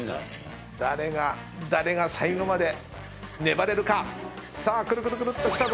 誰が誰が最後まで粘れるか⁉さあくるくるくるっときたぞ。